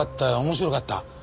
面白かった。